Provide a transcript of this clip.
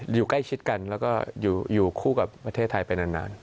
อยู่ใกล้ชิดกันแล้วก็อยู่คู่กับประเทศไทยไปนาน